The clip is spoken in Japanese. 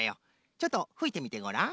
ちょっとふいてみてごらん。